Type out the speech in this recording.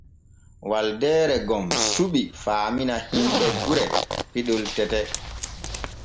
Waldeere gom suɓi faamina himɓe gure piɗol tete.